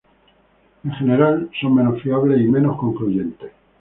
En general son menos fiables y menos concluyentes.